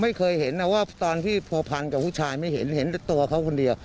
ไม่เคยเห็นนะว่าตอนที่ผัวพันกับผู้ชายไม่เห็นเห็นแต่ตัวเขาคนเดียว